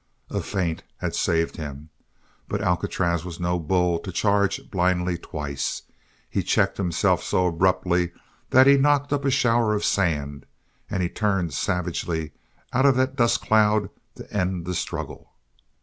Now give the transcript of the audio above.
A feint had saved him, but Alcatraz was no bull to charge blindly twice. He checked himself so abruptly that he knocked up a shower of sand, and he turned savagely out of that dust cloud to end the struggle.